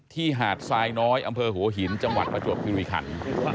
ที่หาดทรายน้อยอำเภอหัวหินจังหวัดประจวบพิรุษภัณฑ์